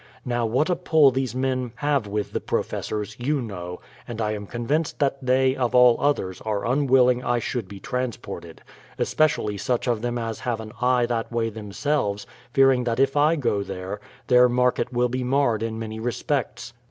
Now what a pull these men have with the professors, you know; and I am convinced that they, of all others, are unwilling I should be transported ; especially such of them as have an eye that way themselves, fearing that if I go there, their market will be marred in many respects.